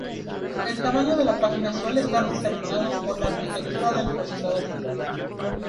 El tamaño de la página suele estar determinado por la arquitectura del procesador.